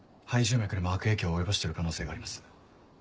肺静脈にも悪影響を及ぼしてる可能性があります。